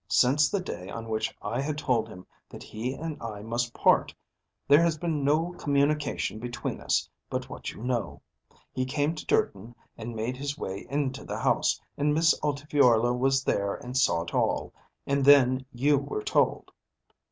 Since the day on which I had told him that he and I must part, there has been no communication between us but what you know. He came to Durton and made his way into the house, and Miss Altifiorla was there and saw it all; and then you were told."